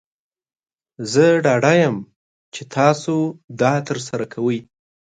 زه ډاډه یم چې تاسو دا ترسره کوئ.